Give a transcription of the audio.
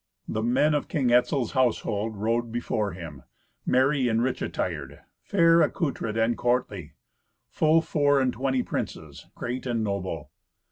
The men of King Etzel's household rode before him, merry and rich attired, fair accoutred and courtly: full four and twenty princes, great and noble.